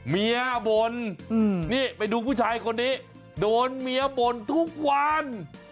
เมียบ่นนี่ไปดูผู้ชายคนนี้โดนเมียบ่นทุกวัน